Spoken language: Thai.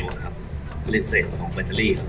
สวัสดีครับวันนี้เราจะกลับมาเมื่อไหร่